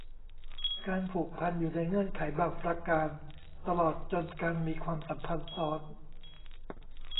การผูกพันอยู่ในเงื่อนไขบางประการ ตลอดจนการมีความสัมพันธ์ซ้อน